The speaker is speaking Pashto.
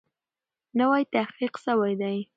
نوی تحقیق سوی دی.